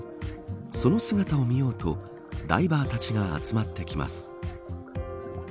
その姿を見ようとダイバーたちが集まってきます。